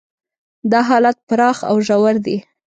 دا حالات پراخ او ژور دي.